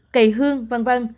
cây hương v v